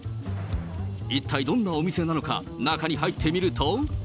一体どんなお店なのか、中に入ってみると。